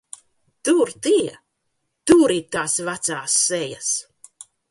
Tur tie, tur ir tās vecās sejas!